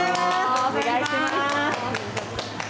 お願いします。